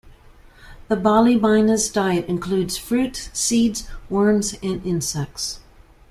The Bali myna's diet includes fruit, seeds, worms and insects.